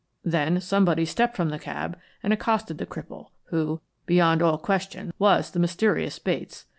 Then somebody stepped from the cab and accosted the cripple, who, beyond all question, was the mysterious Bates.